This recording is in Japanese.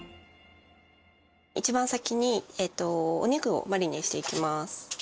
一番先にお肉をマリネしていきます。